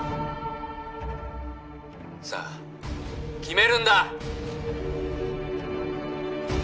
さあ決めるんだ！